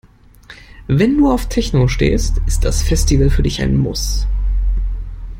Wenn du auf Techno stehst, ist das Festival für dich ein Muss.